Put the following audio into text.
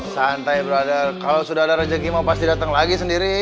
santai berada kalau sudah ada rezeki mau pasti datang lagi sendiri